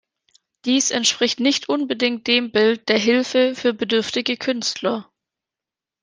Dies entspricht nicht unbedingt dem Bild der Hilfe für bedürftige Künstler.